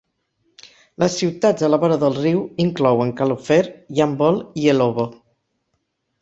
Les ciutats a la vora del riu inclouen Kalofer, Yambol i Elhovo.